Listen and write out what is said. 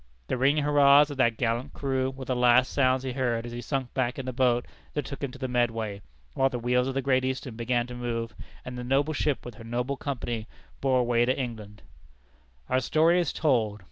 The ringing hurrahs of that gallant crew were the last sounds he heard as he sunk back in the boat that took him to the Medway, while the wheels of the Great Eastern began to move, and the noble ship, with her noble company, bore away for England. Our story is told.